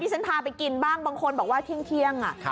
ฉันพาไปกินบ้างบางคนบอกว่าเที่ยง